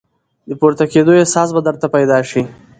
د پورته کېدو احساس به درته پیدا شي !